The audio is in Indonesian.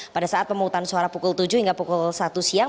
pada saat pemungutan suara pukul tujuh hingga pukul satu siang